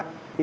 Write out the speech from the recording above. đúng rồi em ạ